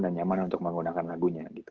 dan nyaman untuk menggunakan lagunya gitu